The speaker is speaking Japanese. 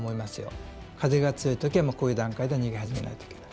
風が強い時はこういう段階で逃げ始めないといけない。